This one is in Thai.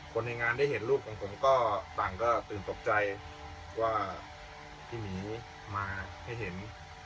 คนในงานได้เห็นรูปของผมก็ต่างก็ตื่นตกใจว่าพี่หมีมาให้เห็น